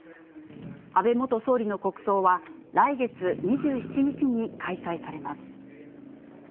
安倍元総理の国葬は、来月２７日に開催されます。